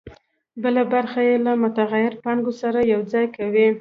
بله برخه یې له متغیرې پانګې سره یوځای کوي